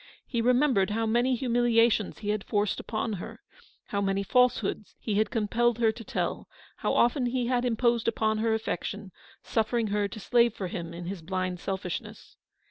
He remem bered how many humiliations he had forced upon her, how many falsehoods he had compelled her to tell ; how often he had imposed upon her affection, suffering her to slave for him in his blind selfish ness.